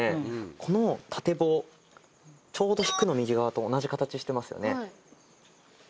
ちょうど「引く」の右側と同じ形してますよね。